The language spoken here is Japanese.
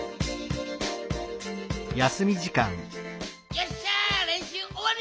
よっしゃれんしゅうおわり！